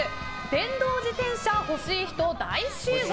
電動自転車欲しい人、大集合！